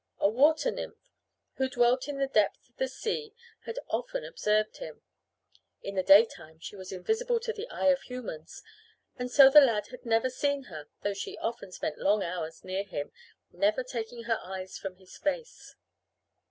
A water nymph who dwelt in the depths of the sea had often observed him. In the daytime she was invisible to the eye of humans and so the lad had never seen her though she often spent long hours near him, never taking her eyes from his face.